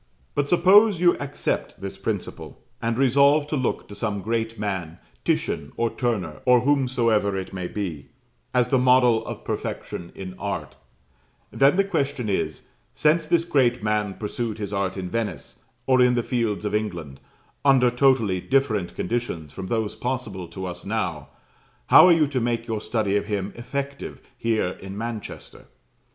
But suppose you accept this principle: and resolve to look to some great man, Titian, or Turner, or whomsoever it may be, as the model of perfection in art; then the question is, since this great man pursued his art in Venice, or in the fields of England, under totally different conditions from those possible to us now how are you to make your study of him effective here in Manchester?